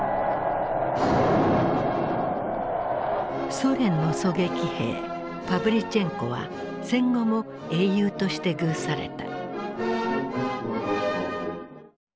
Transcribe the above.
ソ連の狙撃兵パヴリチェンコは戦後も英雄として遇された。